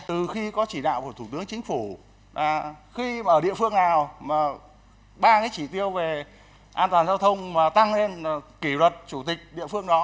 từ khi có chỉ đạo của thủ tướng chính phủ là khi mà ở địa phương nào mà ba cái chỉ tiêu về an toàn giao thông mà tăng lên kỷ luật chủ tịch địa phương đó